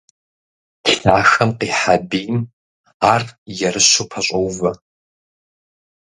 Лъахэм къихьа бийм ар ерыщу пэщӀоувэ.